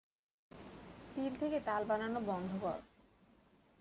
তিল থেকে তেল বানানো বন্ধ কর।